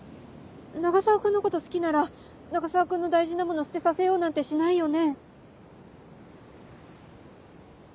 永沢君のこと好きなら永沢君の大事なもの捨てさせようなんてしないよね。